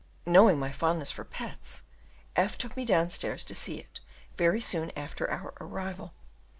Knowing my fondness for pets, F took me downstairs to see it very soon after our arrival.